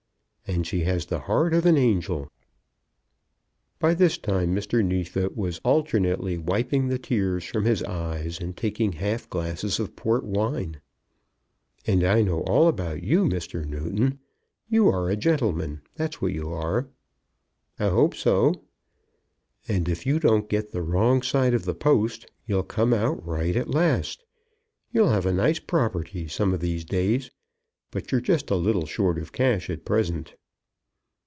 "And she has the heart of an angel." By this time Mr. Neefit was alternately wiping the tears from his eyes, and taking half glasses of port wine. "I know all about you, Mr. Newton. You are a gentleman; that's what you are." "I hope so." "And if you don't get the wrong side of the post, you'll come out right at last. You'll have a nice property some of these days, but you're just a little short of cash at present."